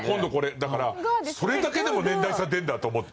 それだけでも年代差出るんだって思って。